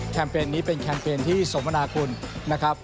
เปญนี้เป็นแคมเปญที่สมนาคุณนะครับ